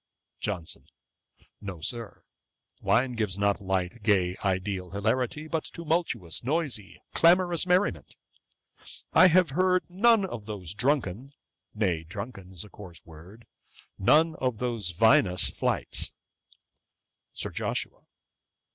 JOHNSON. 'No, Sir; wine gives not light, gay, ideal hilarity; but tumultuous, noisy, clamorous merriment. I have heard none of those drunken, nay, drunken is a coarse word, none of those vinous flights.' SIR JOSHUA.